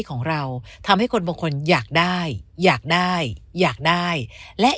ของเราทำให้คนบางคนอยากได้อยากได้อยากได้และ